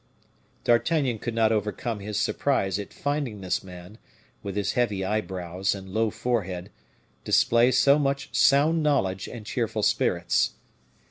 D'Artagnan could not overcome his surprise at finding this man, with his heavy eyebrows and low forehead, display so much sound knowledge and cheerful spirits.